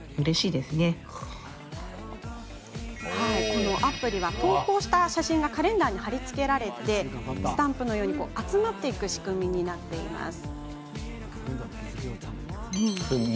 このアプリでは、投稿した写真がカレンダーに貼り付けられスタンプのように集まる仕組みになっているんです。